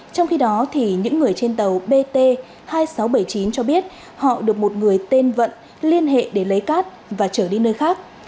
trong khi đó những người trên tàu bt hai nghìn sáu trăm bảy mươi chín cho biết họ được một người tên vận liên hệ để lấy cát và trở đi nơi khác